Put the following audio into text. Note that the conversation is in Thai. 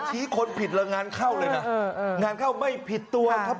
ชี้คนผิดละงานเข้าเลยน่ะเออเอองานเข้าไม่ผิดตัวครับ